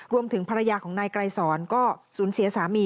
รวมถึงภรรยาของนายไกรสอนก็สูญเสียสามี